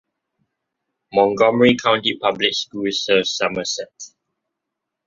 Montgomery County Public Schools serves Somerset.